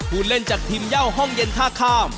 ผู้เล่นจากทีมเย่าห้องเย็นท่าข้าม